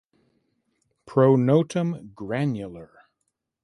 Pronotum granular.